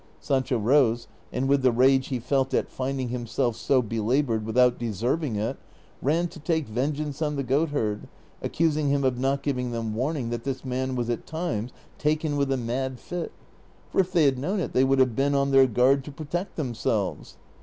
Sancho rose, and with the rage he felt at finding himself so belabored without deserving it, ran to take vengeance on the goatherd, accusing him of not sfivinsr them warning that this man was at times taken with a mad fit, for if they had known it they would have been on their guard to protect themselves.